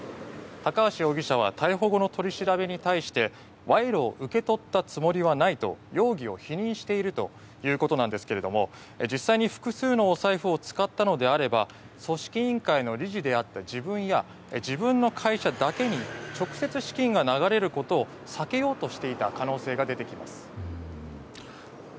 高橋容疑者は逮捕後の取り調べに対して賄賂を受け取ったつもりはないと容疑を否認しているということですが実際に複数のお財布を使ったのであれば組織委員会の理事であった自分や自分の会社だけに直接、資金が流れることをさけようとしていた可能性が出てきます。